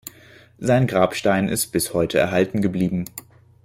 Sein Grabstein ist bis heute erhalten geblieben.